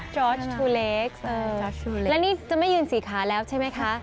จอร์ชชูเล็กซ์เล็กและนี่จะไม่ยืนสี่ขาแล้วใช่ไหมคะ